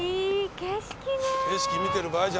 景色見てる場合じゃないんだ。